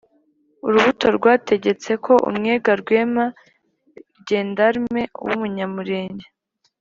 urubuto rwategetse ko umwega rwema gendarme w'umunyamulenge